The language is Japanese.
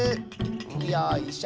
よいしょ。